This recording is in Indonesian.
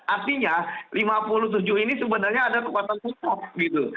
artinya lima puluh tujuh ini sebenarnya ada kekuatan khusus gitu